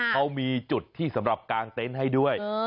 เขามีจุดที่สำหรับกางเต็นต์ให้ด้วย